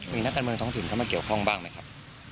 มีนักการเมืองท้องถิ่นเข้ามาเกี่ยวข้องบ้างไหมครับ